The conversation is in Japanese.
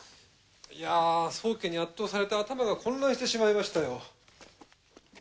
いやぁ宗家に圧倒されて頭が混乱してしまいましたよ。